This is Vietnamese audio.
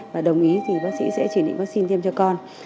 và đồng ý thì bác sĩ sẽ chỉ định vaccine tiêm cho con